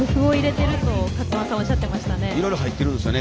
いろいろ入ってるんですよね。